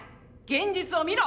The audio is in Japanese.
現実を見ろ！